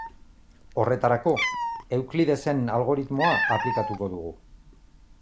Horretarako, Euklidesen algoritmoa aplikatuko dugu.